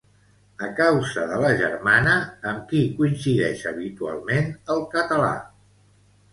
A causa de la germana, amb qui coincideix habitualment el català?